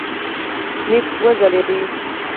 لیکه وځلېده.